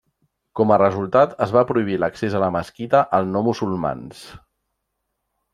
Com a resultat, es va prohibir l'accés a la mesquita al no musulmans.